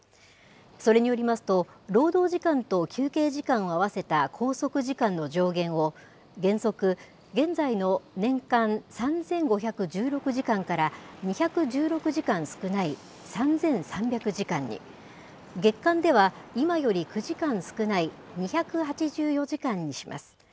それによりますと、労働時間と休憩時間を合わせた拘束時間の上限を、原則、現在の年間３５１６時間から２１６時間少ない３３００時間に、月間では今より９時間少ない２８４時間にします。